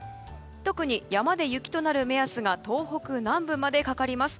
特に山で雪となる目安が東北南部までかかります。